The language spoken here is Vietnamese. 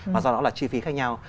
mà do nó là chi phí khác nhau